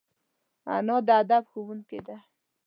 انا د ادب ښوونکې ده